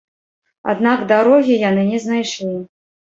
Аднак дарогі яны не знайшлі.